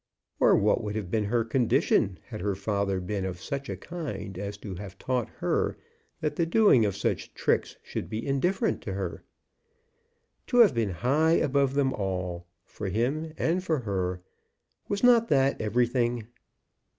Or what would have been her condition had her father been of such a kind as to have taught her that the doing of such tricks should be indifferent to her? To have been high above them all, for him and for her, was not that everything?